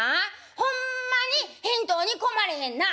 ほんまに返答に困れへんなあ」。